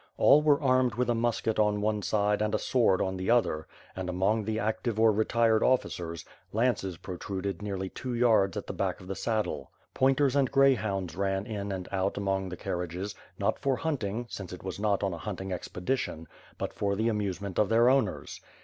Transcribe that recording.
All were armed with a musket on one side and a sword on the other, and among the active or retired officers, lances protruded, nearly two yards at the back of the saddle. Pointers and greyhounds ran in and out among the carriages, not for hunting, since it was not on a hunting ex pedition, but for the amusement of their owners.